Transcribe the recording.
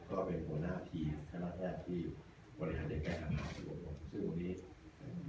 ก็เป็นหัวหน้าทีขณะแรกที่บริหารในแก่อาหารส่วนผม